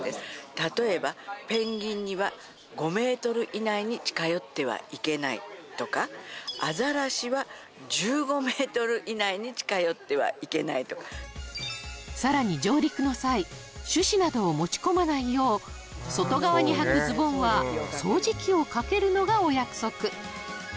例えばペンギンには５ｍ以内に近寄ってはいけないとかアザラシは１５ｍ以内に近寄ってはいけないとかさらに上陸の際種子などを持ち込まないよう外側にはくズボンは掃除機をかけるのがお約束